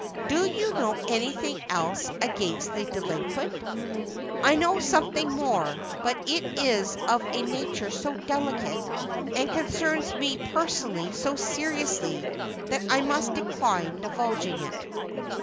Do you know anything else against the delinquent?" "I know something more; but it is of a nature so delicate, and concerns me personally so seriously, that I must decline divulging it."